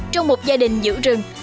trong một gia đình giữ rừng